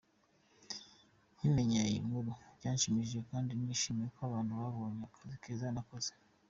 Nkimenya iyi nkuru byanshimishije kandi nishimiye ko abantu babonye akazi keza nakoze.